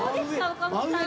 岡本さん